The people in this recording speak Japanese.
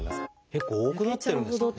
結構多くなってるんですかね。